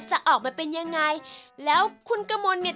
จะออกมาเป็นยังไงแล้วคุณกมลเนี่ย